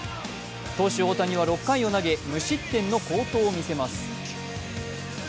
投手・大谷は６回を投げ無失点の好投を見せます。